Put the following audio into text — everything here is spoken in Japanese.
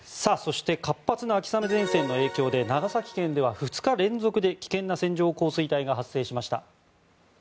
活発な秋雨前線の影響で長崎県では２日連続で危険な線状降水帯が発生しました。